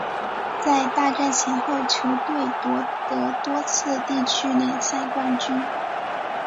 在大战前后球队夺得多次地区联赛冠军。